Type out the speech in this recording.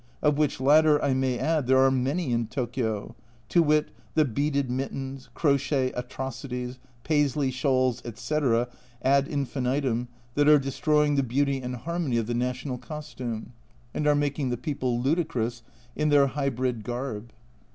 Of which latter I may add there are many in Tokio, to wit, the beaded mittens, crochet atrocities, Paisley shawls, etc., ad infinitum, that are destroying the beauty and harmony A Journal from Japan 101 of the national costume, and are making the people ludicrous in their hybrid garb.